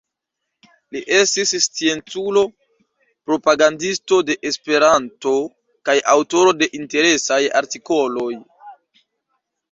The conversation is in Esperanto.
Li estis scienculo, propagandisto de Esperanto kaj aŭtoro de interesaj artikoloj.